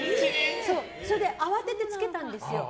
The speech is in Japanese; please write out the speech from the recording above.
それで慌てて付けたんですよ。